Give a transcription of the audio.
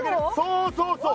そうそうそう！